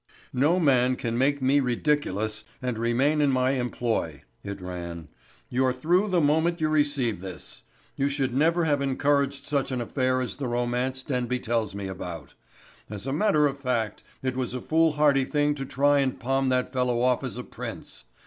"No man can make me ridiculous and remain in my employ," it ran. "You're through the moment you receive this. You should never have encouraged such an affair as the romance Denby tells me about. As a matter of fact it was a foolhardy thing to try and palm that fellow off as a prince.